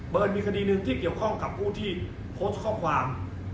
มีคดีหนึ่งที่เกี่ยวข้องกับผู้ที่โพสต์ข้อความ